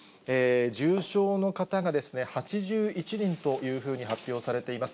重症の方が８１人というふうに発表されています。